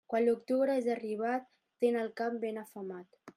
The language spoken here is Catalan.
Quan l'octubre és arribat, ten el camp ben afemat.